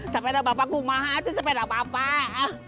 sapedang bapak rumah aja sepedang bapak